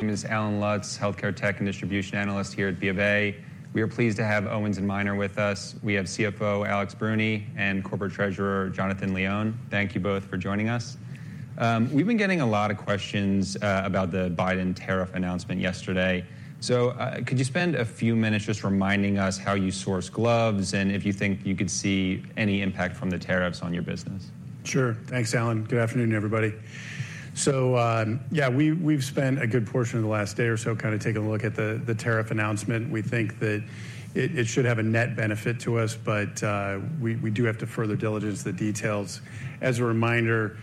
My name is Allen Lutz, Healthcare Tech and Distribution Analyst here at BofA. We are pleased to have Owens & Minor with us. We have CFO, Alex Bruni, and Corporate Treasurer, Jonathan Leon. Thank you both for joining us. We've been getting a lot of questions about the Biden tariff announcement yesterday. So, could you spend a few minutes just reminding us how you source gloves, and if you think you could see any impact from the tariffs on your business? Sure. Thanks, Allen. Good afternoon, everybody. So, yeah, we've spent a good portion of the last day or so kind of taking a look at the tariff announcement. We think that it should have a net benefit to us, but we do have to further diligence the details. As a reminder,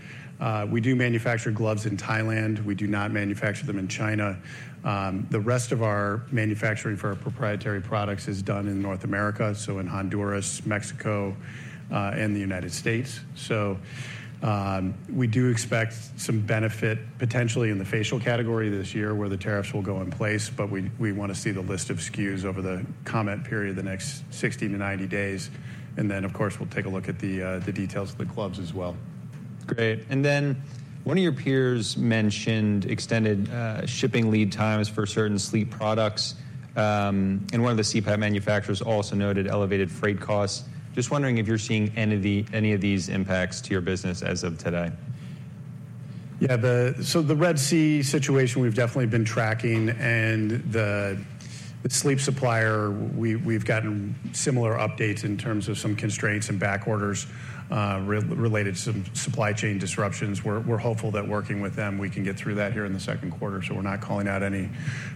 we do manufacture gloves in Thailand. We do not manufacture them in China. The rest of our manufacturing for our proprietary products is done in North America, so in Honduras, Mexico, and the United States. So, we do expect some benefit potentially in the facial category this year, where the tariffs will go in place, but we wanna see the list of SKUs over the comment period, the next 60 days-90 days. And then, of course, we'll take a look at the details of the gloves as well. Great. And then, one of your peers mentioned extended shipping lead times for certain sleep products. And one of the CPAP manufacturers also noted elevated freight costs. Just wondering if you're seeing any of these impacts to your business as of today? Yeah, so the Red Sea situation, we've definitely been tracking, and the sleep supplier, we've gotten similar updates in terms of some constraints and back orders, related to some supply chain disruptions. We're hopeful that working with them, we can get through that here in the second quarter, so we're not calling out any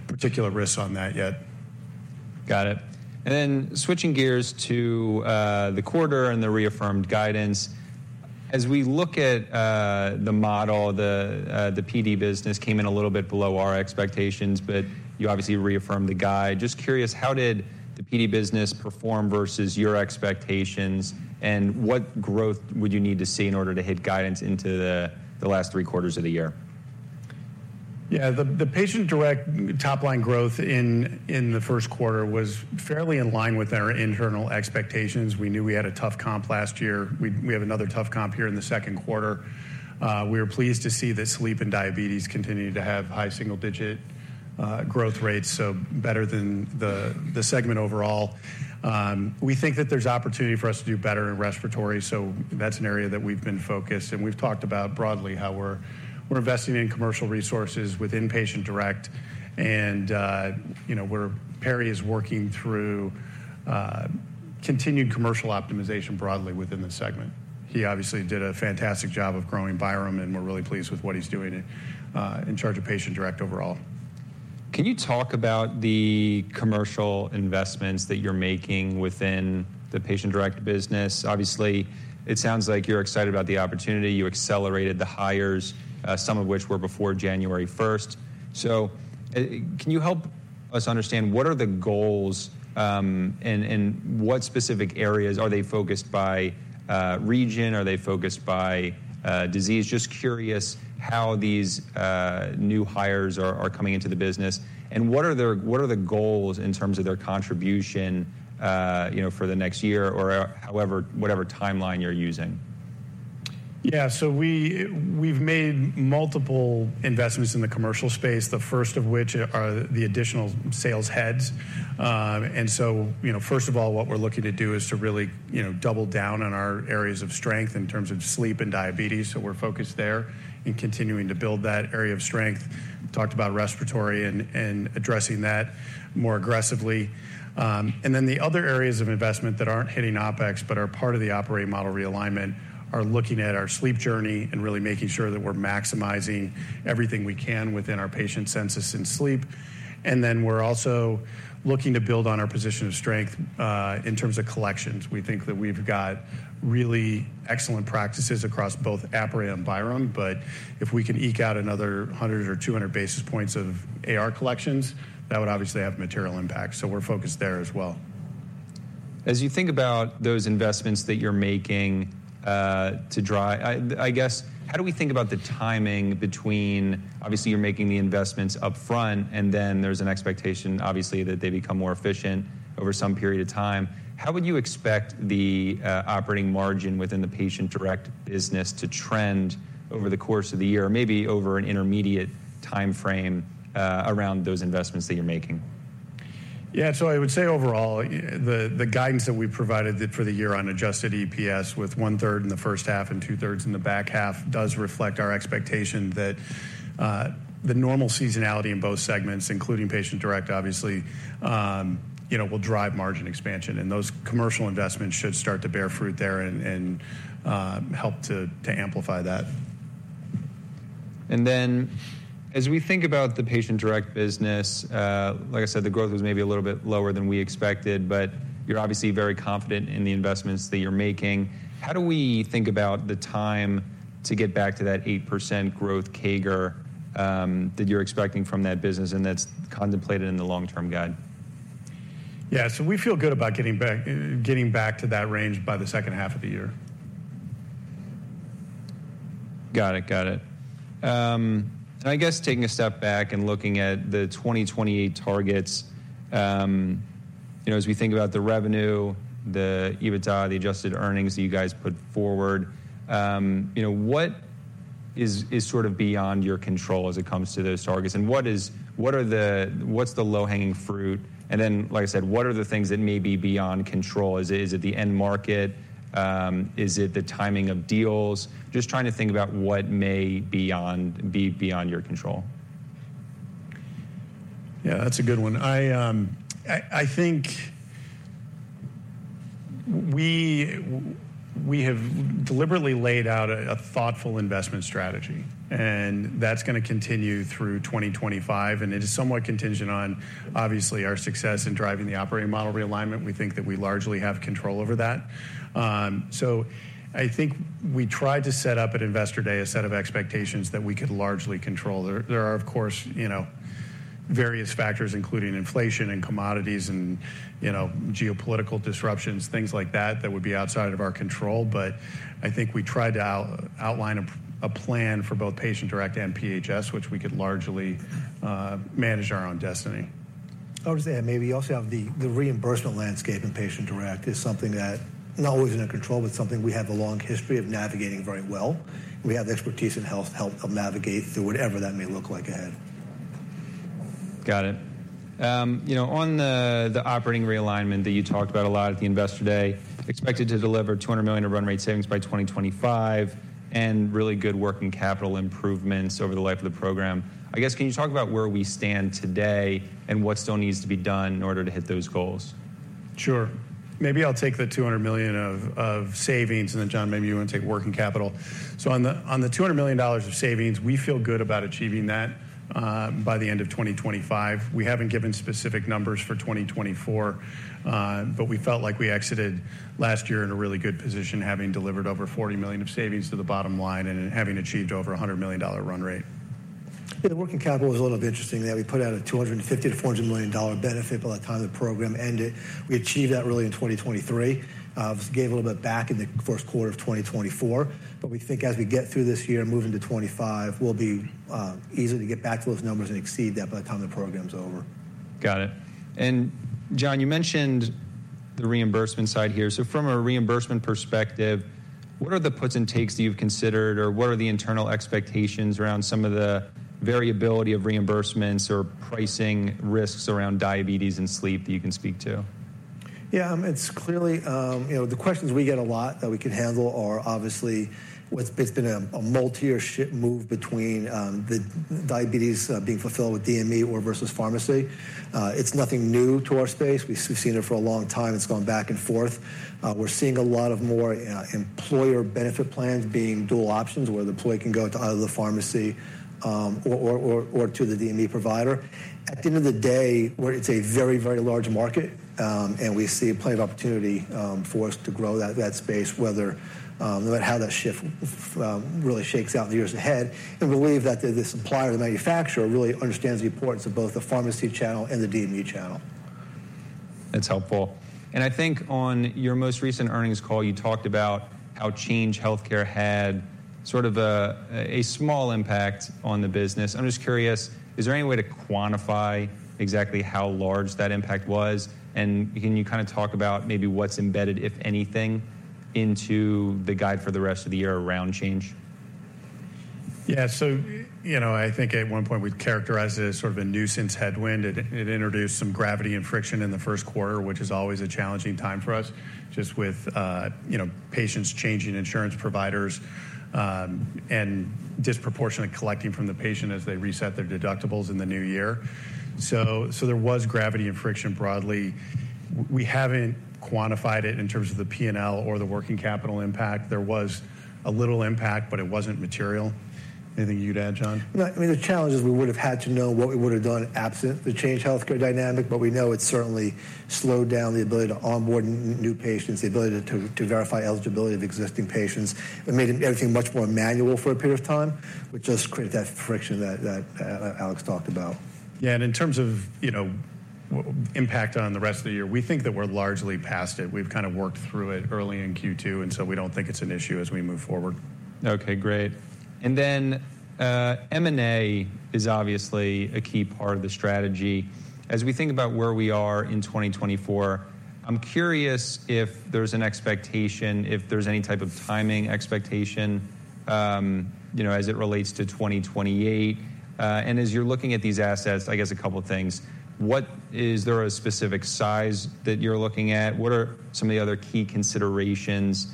particular risks on that yet. Got it. And then switching gears to the quarter and the reaffirmed guidance. As we look at the model, the PD business came in a little bit below our expectations, but you obviously reaffirmed the guide. Just curious, how did the PD business perform versus your expectations, and what growth would you need to see in order to hit guidance into the last three quarters of the year? Yeah, the Patient Direct top line growth in the first quarter was fairly in line with our internal expectations. We knew we had a tough comp last year. We have another tough comp here in the second quarter. We are pleased to see that sleep and diabetes continue to have high single digit growth rates, so better than the segment overall. We think that there's opportunity for us to do better in respiratory, so that's an area that we've been focused, and we've talked about broadly how we're investing in commercial resources within Patient Direct. You know, where Perry is working through continued commercial optimization broadly within the segment. He obviously did a fantastic job of growing Byram, and we're really pleased with what he's doing in charge of Patient Direct overall. Can you talk about the commercial investments that you're making within the patient direct business? Obviously, it sounds like you're excited about the opportunity. You accelerated the hires, some of which were before January first. So, can you help us understand what are the goals, and what specific areas? Are they focused by region? Are they focused by disease? Just curious how these new hires are coming into the business, and what are the goals in terms of their contribution, you know, for the next year or, however, whatever timeline you're using? Yeah. So we've made multiple investments in the commercial space, the first of which are the additional sales heads. And so, you know, first of all, what we're looking to do is to really, you know, double down on our areas of strength in terms of sleep and diabetes. So we're focused there in continuing to build that area of strength. Talked about respiratory and addressing that more aggressively. And then the other areas of investment that aren't hitting OpEx, but are part of the operating model realignment, are looking at our sleep journey and really making sure that we're maximizing everything we can within our patient census in sleep. And then we're also looking to build on our position of strength in terms of collections. We think that we've got really excellent practices across both Apria and Byram, but if we can eke out another 100 basis points or 200 basis points of AR collections, that would obviously have material impact, so we're focused there as well. As you think about those investments that you're making, I guess, how do we think about the timing between... Obviously, you're making the investments upfront, and then there's an expectation, obviously, that they become more efficient over some period of time. How would you expect the operating margin within the Patient Direct business to trend over the course of the year, maybe over an intermediate timeframe, around those investments that you're making? Yeah. So I would say overall, the guidance that we provided for the year on adjusted EPS, with one-third in the first half and two-thirds in the back half, does reflect our expectation that, the normal seasonality in both segments, including Patient Direct, obviously, you know, will drive margin expansion, and those commercial investments should start to bear fruit there and, help to amplify that. And then, as we think about the Patient Direct business, like I said, the growth was maybe a little bit lower than we expected, but you're obviously very confident in the investments that you're making. How do we think about the time to get back to that 8% growth CAGR, that you're expecting from that business, and that's contemplated in the long-term guide? Yeah. We feel good about getting back, getting back to that range by the second half of the year. Got it. Got it. I guess taking a step back and looking at the 2028 targets. You know, as we think about the revenue, the EBITDA, the adjusted earnings that you guys put forward, you know, what is sort of beyond your control as it comes to those targets? And what's the low-hanging fruit? And then, like I said, what are the things that may be beyond control? Is it the end market? Is it the timing of deals? Just trying to think about what may be beyond your control. Yeah, that's a good one. I think we have deliberately laid out a thoughtful investment strategy, and that's gonna continue through 2025, and it is somewhat contingent on, obviously, our success in driving the operating model realignment. We think that we largely have control over that. So I think we tried to set up at Investor Day a set of expectations that we could largely control. There are, of course, you know, various factors, including inflation and commodities and, you know, geopolitical disruptions, things like that, that would be outside of our control. But I think we tried to outline a plan for both Patient Direct and PHS, which we could largely manage our own destiny. I would just add, maybe you also have the reimbursement landscape in Patient Direct is something that not always in our control, but something we have a long history of navigating very well. We have the expertise in helping navigate through whatever that may look like ahead. Got it. You know, on the operating realignment that you talked about a lot at the Investor Day, expected to deliver $200 million of run rate savings by 2025, and really good working capital improvements over the life of the program. I guess, can you talk about where we stand today, and what still needs to be done in order to hit those goals? Sure. Maybe I'll take the $200 million of savings, and then, John, maybe you want to take working capital. So on the $200 million of savings, we feel good about achieving that by the end of 2025. We haven't given specific numbers for 2024, but we felt like we exited last year in a really good position, having delivered over $40 million of savings to the bottom line and having achieved over a $100 million run rate. Yeah, the working capital is a little bit interesting. That we put out a $250 million-$400 million benefit by the time the program ended. We achieved that really in 2023. Gave a little bit back in the first quarter of 2024, but we think as we get through this year, moving to 2025, we'll be easy to get back to those numbers and exceed that by the time the program is over. Got it. John, you mentioned the reimbursement side here. From a reimbursement perspective, what are the puts and takes that you've considered, or what are the internal expectations around some of the variability of reimbursements or pricing risks around diabetes and sleep that you can speak to? Yeah, it's clearly. You know, the questions we get a lot that we can handle are obviously what's been a multi-year shift move between the diabetes being fulfilled with DME or versus pharmacy. It's nothing new to our space. We've seen it for a long time. It's gone back and forth. We're seeing a lot more employer benefit plans being dual options, where the employee can go to either the pharmacy or to the DME provider. At the end of the day, where it's a very, very large market, and we see a plenty of opportunity for us to grow that space, whether no matter how that shift really shakes out in the years ahead, and believe that the supplier, the manufacturer, really understands the importance of both the pharmacy channel and the DME channel. That's helpful. I think on your most recent earnings call, you talked about how Change Healthcare had sort of a small impact on the business. I'm just curious, is there any way to quantify exactly how large that impact was? And can you kind of talk about maybe what's embedded, if anything, into the guide for the rest of the year around Change? Yeah, so you know, I think at one point, we'd characterized it as sort of a nuisance headwind. It introduced some gravity and friction in the first quarter, which is always a challenging time for us, just with, you know, patients changing insurance providers, and disproportionately collecting from the patient as they reset their deductibles in the new year. So there was gravity and friction broadly. We haven't quantified it in terms of the P&L or the working capital impact. There was a little impact, but it wasn't material. Anything you'd add, John? No, I mean, the challenge is we would have had to know what we would have done absent the Change Healthcare dynamic, but we know it certainly slowed down the ability to onboard new patients, the ability to verify eligibility of existing patients. It made everything much more manual for a period of time, which just created that friction that Alex talked about. Yeah, and in terms of, you know, impact on the rest of the year, we think that we're largely past it. We've kind of worked through it early in Q2, and so we don't think it's an issue as we move forward. Okay, great. And then, M&A is obviously a key part of the strategy. As we think about where we are in 2024, I'm curious if there's an expectation, if there's any type of timing expectation, you know, as it relates to 2028. And as you're looking at these assets, I guess, a couple of things: Is there a specific size that you're looking at? What are some of the other key considerations?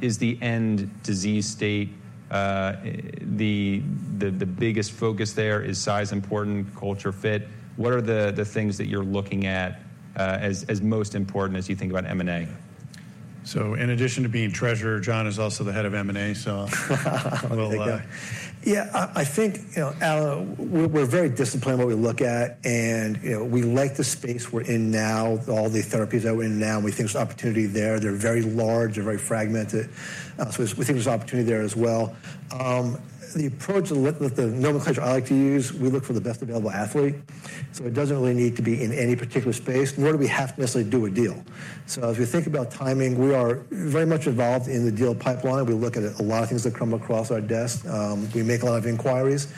Is the end disease state the biggest focus there, is size important, culture fit? What are the things that you're looking at as most important as you think about M&A? So in addition to being treasurer, John is also the head of M&A, so. Yeah. Yeah, I think, you know, Al, we're very disciplined in what we look at, and, you know, we like the space we're in now, all the therapies that we're in now, and we think there's opportunity there. They're very large and very fragmented, so we think there's opportunity there as well. The approach that the nomenclature I like to use, we look for the best available athlete, so it doesn't really need to be in any particular space, nor do we have to necessarily do a deal. So as we think about timing, we are very much involved in the deal pipeline. We look at a lot of things that come across our desk. We make a lot of inquiries.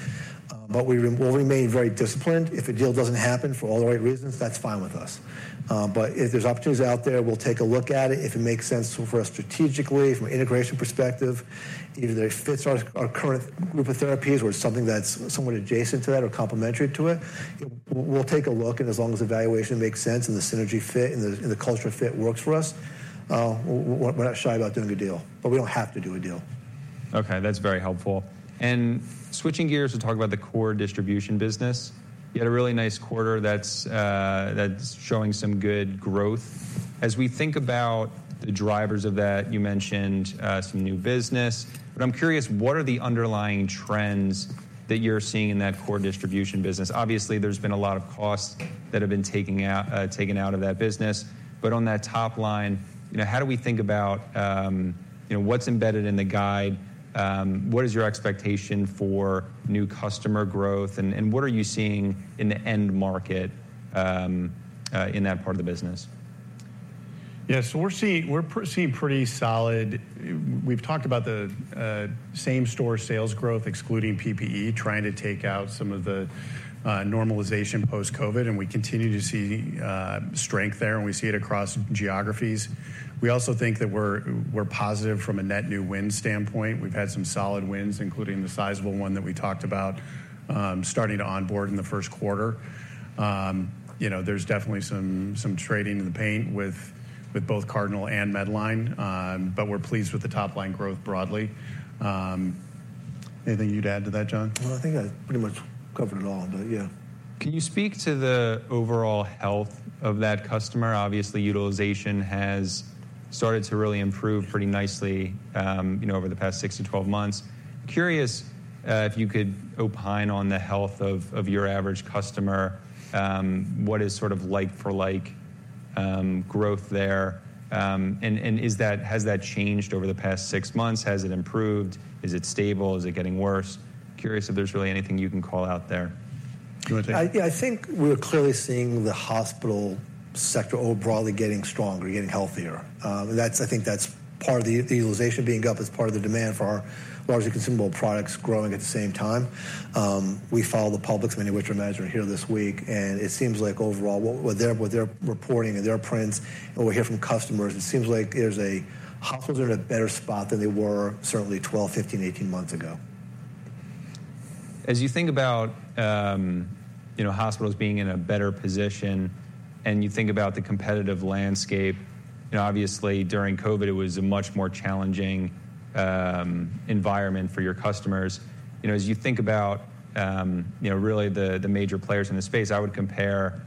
But we'll remain very disciplined. If a deal doesn't happen for all the right reasons, that's fine with us. But if there's opportunities out there, we'll take a look at it. If it makes sense for us strategically from an integration perspective, either it fits our current group of therapies or something that's somewhat adjacent to that or complementary to it, we'll take a look, and as long as the valuation makes sense and the synergy fit and the cultural fit works for us, we're not shy about doing a deal, but we don't have to do a deal. Okay, that's very helpful. And switching gears to talk about the core distribution business, you had a really nice quarter that's that's showing some good growth. As we think about the drivers of that, you mentioned some new business, but I'm curious, what are the underlying trends that you're seeing in that core distribution business? Obviously, there's been a lot of costs that have been taking out taken out of that business, but on that top line, you know, how do we think about you know, what's embedded in the guide? What is your expectation for new customer growth? And what are you seeing in the end market in that part of the business? Yeah, so we're seeing pretty solid. We've talked about the same-store sales growth, excluding PPE, trying to take out some of the normalization post-COVID, and we continue to see strength there, and we see it across geographies. We also think that we're positive from a net new win standpoint. We've had some solid wins, including the sizable one that we talked about, starting to onboard in the first quarter. You know, there's definitely some trading in the paint with both Cardinal and Medline, but we're pleased with the top-line growth broadly. Anything you'd add to that, John? Well, I think I pretty much covered it all, but yeah. Can you speak to the overall health of that customer? Obviously, utilization has started to really improve pretty nicely, you know, over the past 6 months-12 months. Curious if you could opine on the health of your average customer, what is sort of like for like growth there? And has that changed over the past 6 months? Has it improved? Is it stable? Is it getting worse? Curious if there's really anything you can call out there. You want to take it? Yeah, I think we're clearly seeing the hospital sector overall getting stronger, getting healthier. That's—I think that's part of the utilization being up as part of the demand for our largely consumable products growing at the same time. We follow the publics, many of which are measured here this week, and it seems like overall, what they're reporting and their prints, and we hear from customers, it seems like hospitals are in a better spot than they were certainly 12 months, 15 months, 18 months ago. As you think about, you know, hospitals being in a better position and you think about the competitive landscape, you know, obviously during COVID, it was a much more challenging environment for your customers. You know, as you think about, you know, really the major players in this space, I would compare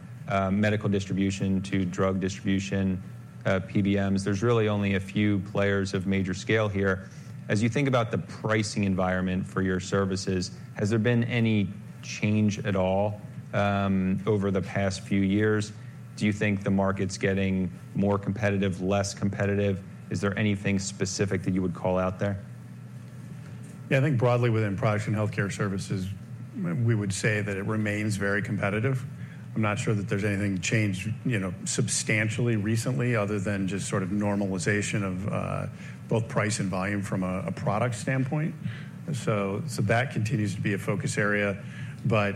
medical distribution to drug distribution, PBMs. There's really only a few players of major scale here. As you think about the pricing environment for your services, has there been any change at all over the past few years? Do you think the market's getting more competitive, less competitive? Is there anything specific that you would call out there? Yeah, I think broadly within Products and Healthcare Services, we would say that it remains very competitive. I'm not sure that there's anything changed, you know, substantially recently, other than just sort of normalization of both price and volume from a product standpoint. So that continues to be a focus area, but,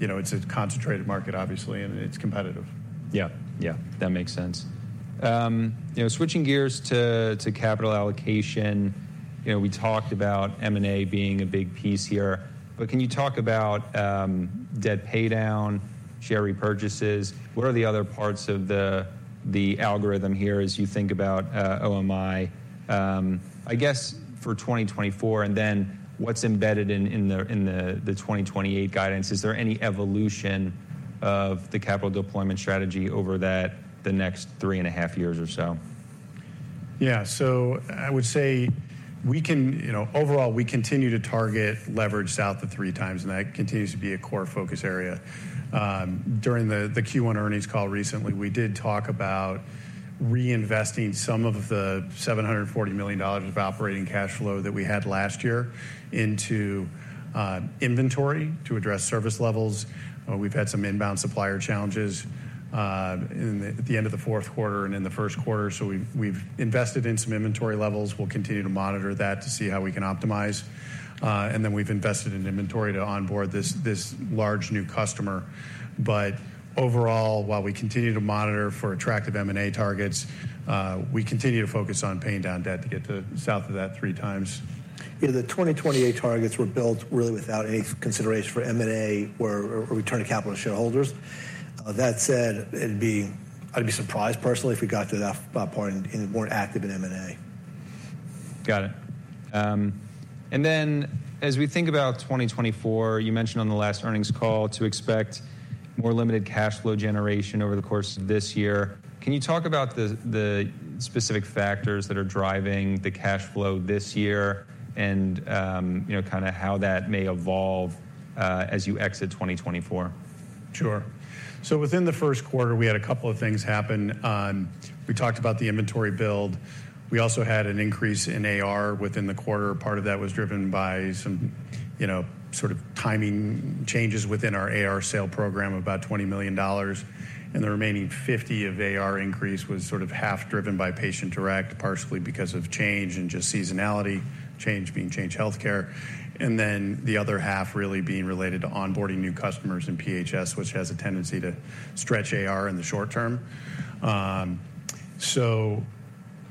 you know, it's a concentrated market, obviously, and it's competitive. Yeah. Yeah, that makes sense. You know, switching gears to capital allocation, you know, we talked about M&A being a big piece here, but can you talk about debt paydown, share repurchases? What are the other parts of the algorithm here as you think about OMI, I guess, for 2024, and then what's embedded in the 2028 guidance? Is there any evolution of the capital deployment strategy over that, the next three and a half years or so? Yeah. So I would say we can... You know, overall, we continue to target leverage south of 3x, and that continues to be a core focus area. During the Q1 earnings call recently, we did talk about reinvesting some of the $740 million of operating cash flow that we had last year into inventory to address service levels. We've had some inbound supplier challenges at the end of the fourth quarter and in the first quarter. So we've invested in some inventory levels. We'll continue to monitor that to see how we can optimize. And then we've invested in inventory to onboard this large new customer. But overall, while we continue to monitor for attractive M&A targets, we continue to focus on paying down debt to get to south of that 3x. You know, the 2028 targets were built really without any consideration for M&A or return of capital to shareholders. That said, I'd be surprised personally, if we got to that point and weren't active in M&A. Got it. And then as we think about 2024, you mentioned on the last earnings call to expect more limited cash flow generation over the course of this year. Can you talk about the, the specific factors that are driving the cash flow this year and, you know, kind of how that may evolve, as you exit 2024? Sure. So within the first quarter, we had a couple of things happen. We talked about the inventory build. We also had an increase in AR within the quarter. Part of that was driven by some, you know, sort of timing changes within our AR sale program, about $20 million, and the remaining $50 million of AR increase was sort of half driven by Patient Direct, partially because of Change and just seasonality, Change being Change Healthcare, and then the other half really being related to onboarding new customers in PHS, which has a tendency to stretch AR in the short term.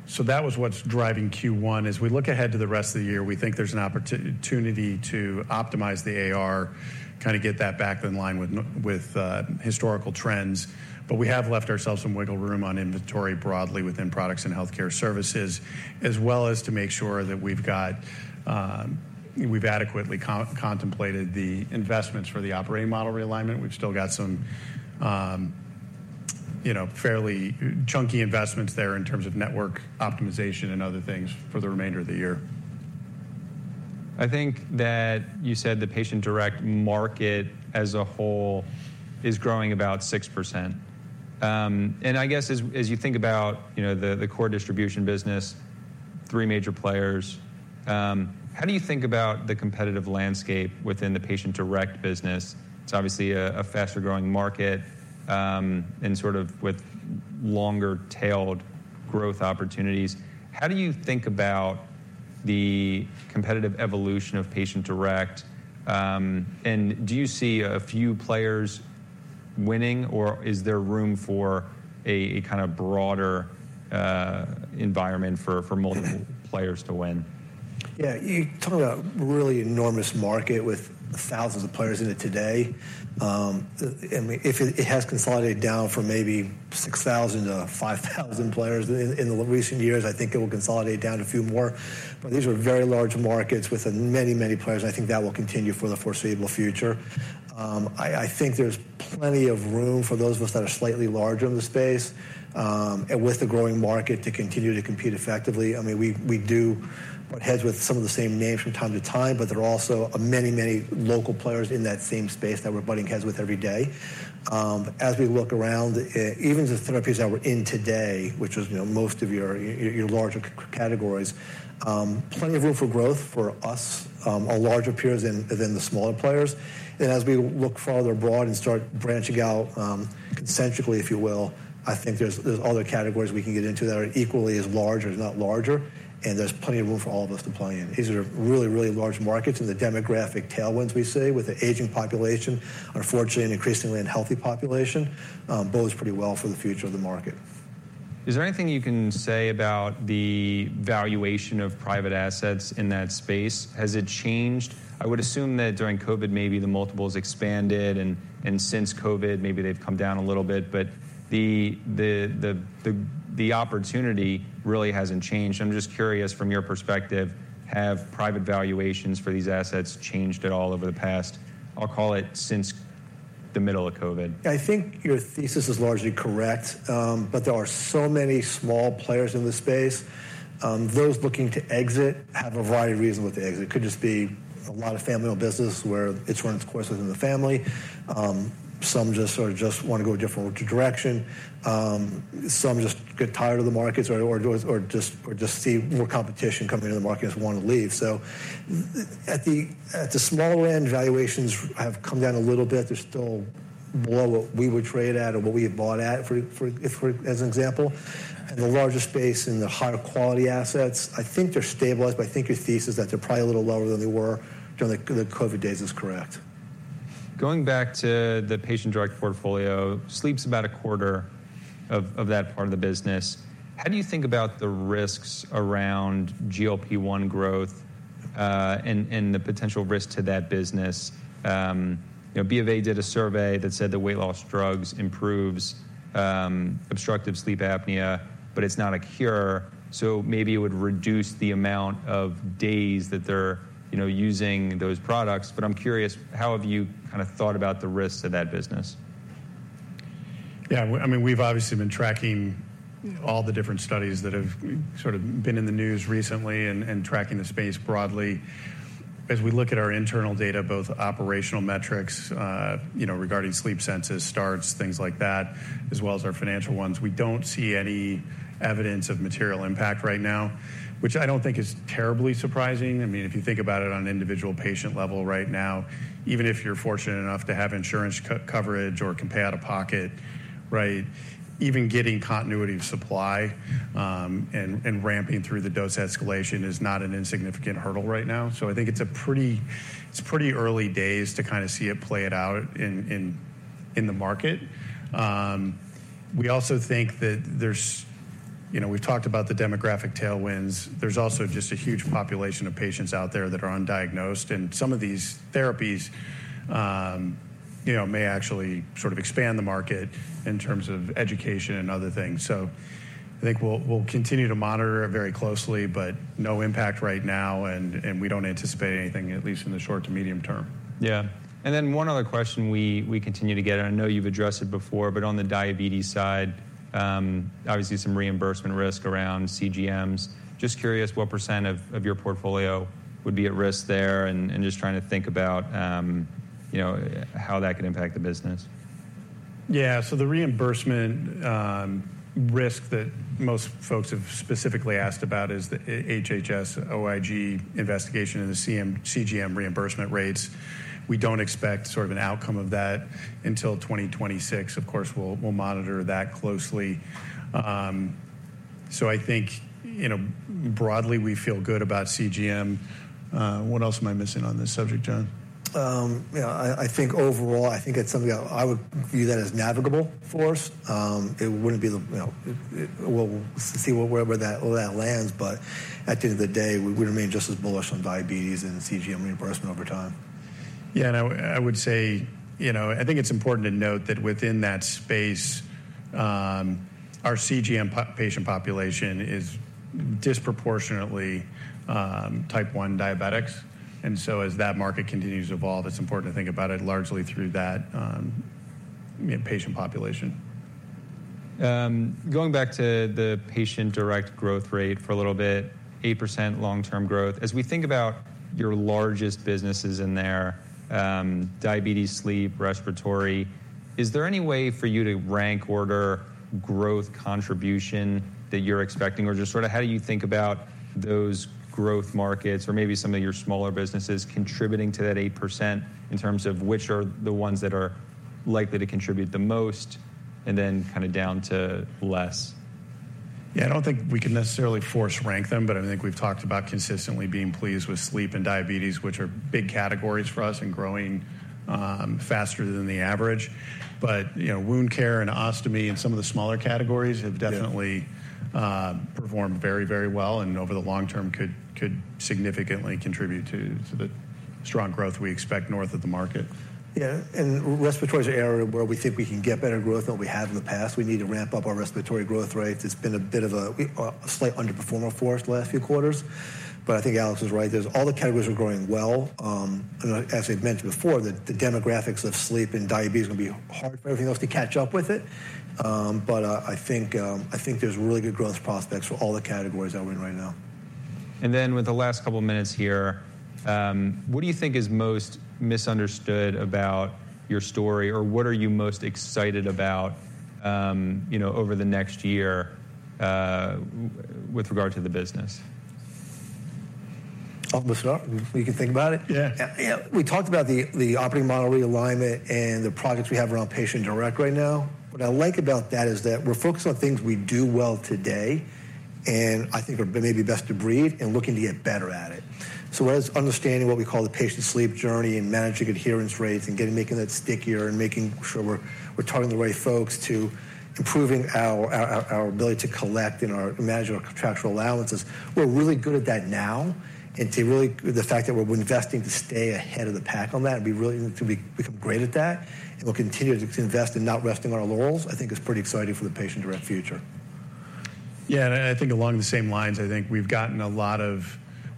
So that was what's driving Q1. As we look ahead to the rest of the year, we think there's an opportunity to optimize the AR, kind of get that back in line with historical trends. But we have left ourselves some wiggle room on inventory broadly within Products and Healthcare Services, as well as to make sure that we've got, we've adequately contemplated the investments for the operating model realignment. We've still got some, you know, fairly chunky investments there in terms of network optimization and other things for the remainder of the year. I think that you said the Patient Direct market as a whole is growing about 6%. And I guess as you think about, you know, the core distribution business, three major players, how do you think about the competitive landscape within the Patient Direct business? It's obviously a faster-growing market, and sort of with longer-tailed growth opportunities. How do you think about the competitive evolution of Patient Direct? And do you see a few players winning, or is there room for a kind of broader environment for multiple players to win? Yeah, you're talking about a really enormous market with thousands of players in it today. And if it has consolidated down from maybe 6,000 players-5,000 players in the recent years, I think it will consolidate down a few more. But these are very large markets with many, many players. I think that will continue for the foreseeable future. I think there's plenty of room for those of us that are slightly larger in the space, and with the growing market, to continue to compete effectively. I mean, we do butt heads with some of the same names from time to time, but there are also many, many local players in that same space that we're butting heads with every day. As we look around, even the therapies that we're in today, which is, you know, most of your larger categories, plenty of room for growth for us, our larger peers than the smaller players. And as we look farther abroad and start branching out, concentrically, if you will, I think there's other categories we can get into that are equally as large or if not larger, and there's plenty of room for all of us to play in. These are really, really large markets, and the demographic tailwinds we see with the aging population, unfortunately, an increasingly unhealthy population, bodes pretty well for the future of the market. Is there anything you can say about the valuation of private assets in that space? Has it changed? I would assume that during COVID, maybe the multiples expanded, and since COVID, maybe they've come down a little bit, but the opportunity really hasn't changed. I'm just curious, from your perspective, have private valuations for these assets changed at all over the past... I'll call it since the middle of COVID? I think your thesis is largely correct, but there are so many small players in this space. Those looking to exit have a variety of reasons why they exit. It could just be a lot of family-owned business where it's run its course within the family. Some just sort of wanna go a different direction. Some just get tired of the markets or just see more competition coming into the market and just want to leave. So at the smaller end, valuations have come down a little bit. They're still below what we would trade at or what we had bought at, if we're as an example. In the larger space and the higher quality assets, I think they're stabilized, but I think your thesis that they're probably a little lower than they were during the COVID days is correct. Going back to the Patient Direct portfolio, sleep's about a quarter of that part of the business. How do you think about the risks around GLP-1 growth and the potential risk to that business? You know, BofA did a survey that said that weight loss drugs improves obstructive sleep apnea, but it's not a cure, so maybe it would reduce the amount of days that they're, you know, using those products. But I'm curious, how have you kind of thought about the risks of that business? Yeah, I mean, we've obviously been tracking all the different studies that have sort of been in the news recently and tracking the space broadly. As we look at our internal data, both operational metrics, you know, regarding sleep census, starts, things like that, as well as our financial ones, we don't see any evidence of material impact right now, which I don't think is terribly surprising. I mean, if you think about it on an individual patient level right now, even if you're fortunate enough to have insurance coverage or can pay out of pocket, right? Even getting continuity of supply, and ramping through the dose escalation is not an insignificant hurdle right now. So I think it's pretty early days to kind of see it play it out in the market. We also think that there's... You know, we've talked about the demographic tailwinds. There's also just a huge population of patients out there that are undiagnosed, and some of these therapies, you know, may actually sort of expand the market in terms of education and other things. So I think we'll continue to monitor it very closely, but no impact right now, and we don't anticipate anything, at least in the short to medium term. Yeah. And then one other question we continue to get, and I know you've addressed it before, but on the diabetes side, obviously some reimbursement risk around CGMs. Just curious, what % of your portfolio would be at risk there? And just trying to think about, you know, how that could impact the business. Yeah, so the reimbursement risk that most folks have specifically asked about is the HHS OIG investigation into CGM reimbursement rates. We don't expect sort of an outcome of that until 2026. Of course, we'll monitor that closely. So I think, you know, broadly, we feel good about CGM. What else am I missing on this subject, John?... Yeah, I think overall, I think it's something that I would view that as navigable for us. It wouldn't be the, you know, we'll see where that lands, but at the end of the day, we remain just as bullish on diabetes and CGM reimbursement over time. Yeah, and I would say, you know, I think it's important to note that within that space, our CGM patient population is disproportionately type one diabetics. And so as that market continues to evolve, it's important to think about it largely through that patient population. Going back to the Patient Direct growth rate for a little bit, 8% long-term growth. As we think about your largest businesses in there, diabetes, sleep, respiratory, is there any way for you to rank order growth contribution that you're expecting? Or just sort of how do you think about those growth markets or maybe some of your smaller businesses contributing to that 8%, in terms of which are the ones that are likely to contribute the most, and then kinda down to less? Yeah, I don't think we can necessarily force rank them, but I think we've talked about consistently being pleased with sleep and diabetes, which are big categories for us and growing faster than the average. But, you know, wound care and ostomy and some of the smaller categories- Yeah... have definitely performed very, very well, and over the long term, could significantly contribute to the strong growth we expect north of the market. Yeah, and respiratory is an area where we think we can get better growth than we have in the past. We need to ramp up our respiratory growth rate. It's been a bit of a slight underperformer for us the last few quarters. But I think Alex is right. There's all the categories are growing well. As we've mentioned before, the demographics of sleep and diabetes are gonna be hard for everything else to catch up with it. But I think I think there's really good growth prospects for all the categories that we're in right now. And then with the last couple of minutes here, what do you think is most misunderstood about your story, or what are you most excited about, you know, over the next year, with regard to the business? I'll start. We can think about it. Yeah. Yeah, we talked about the operating model realignment and the products we have around Patient Direct right now. What I like about that is that we're focused on things we do well today, and I think are maybe best of breed and looking to get better at it. So whereas understanding what we call the patient sleep journey and managing adherence rates and getting making it stickier and making sure we're talking to the right folks, to improving our ability to collect and manage our contractual allowances, we're really good at that now, and to really the fact that we're investing to stay ahead of the pack on that and be really to become great at that, and we'll continue to invest in not resting on our laurels, I think is pretty exciting for the Patient Direct future. Yeah, and I think along the same lines, I think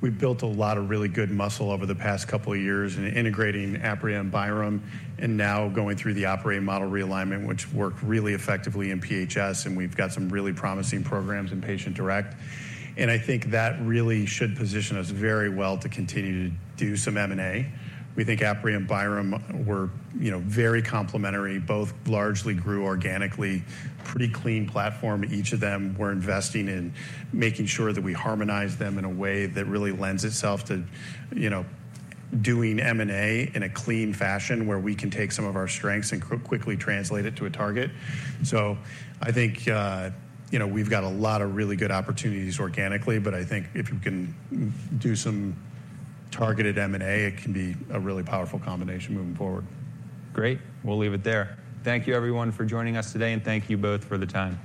we've built a lot of really good muscle over the past couple of years in integrating Apria and Byram, and now going through the operating model realignment, which worked really effectively in PHS, and we've got some really promising programs in Patient Direct. And I think that really should position us very well to continue to do some M&A. We think Apria and Byram were, you know, very complementary, both largely grew organically, pretty clean platform. Each of them were investing in making sure that we harmonize them in a way that really lends itself to, you know, doing M&A in a clean fashion, where we can take some of our strengths and quickly translate it to a target. So I think, you know, we've got a lot of really good opportunities organically, but I think if we can do some targeted M&A, it can be a really powerful combination moving forward. Great! We'll leave it there. Thank you, everyone, for joining us today, and thank you both for the time.